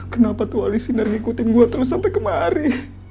kenapa tuali sinar ngikutin gue terus sampe kemari